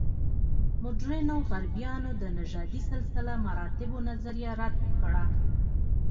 مډرنو غربیانو د نژادي سلسله مراتبو نظریه رد کړه.